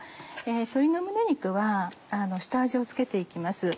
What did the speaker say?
鶏の胸肉は下味を付けて行きます。